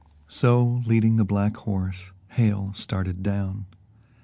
So, leading the black horse, Hale started down.